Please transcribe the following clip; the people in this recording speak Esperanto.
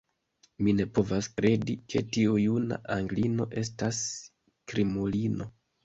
Mi ne povas kredi, ke tiu juna anglino estas krimulino.